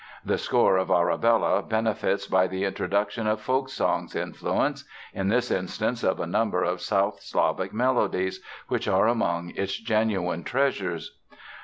The score of Arabella benefits by the introduction of folk songs influence—in this instance of a number of South Slavic melodies, which are among its genuine treasures.